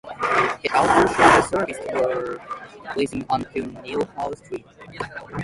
It also showed a service tower facing on to Newhall Street.